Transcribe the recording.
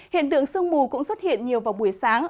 hiện tượng sương mù cũng xuất hiện nhiều vào buổi sáng